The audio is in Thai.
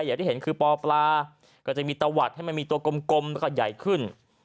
อย่างที่เห็นคือปอปลาก็จะมีตะวัดให้มันมีตัวกลมแล้วก็ใหญ่ขึ้น